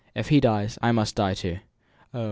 If he dies, I must die too. Oh!